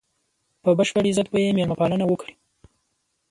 په بشپړ عزت به یې مېلمه پالنه وکړي.